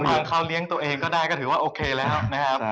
ทางเขาเลี้ยงตัวเองก็ได้ก็ถือว่าโอเคแล้วนะครับ